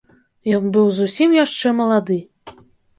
Ён быў зусім яшчэ малады.